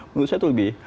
menurut saya itu lebih